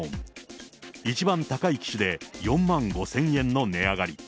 一番高い機種で４万５０００円の値上がり。